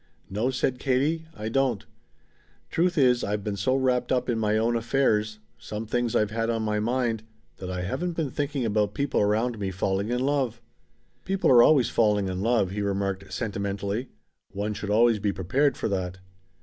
"No," said Katie, "I don't. Truth is I've been so wrapped up in my own affairs some things I've had on my mind that I haven't been thinking about people around me falling in love." "People are always falling in love," he remarked sentimentally. "One should always be prepared for that."